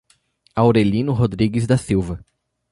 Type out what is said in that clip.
Aurelino Rodrigues da Silva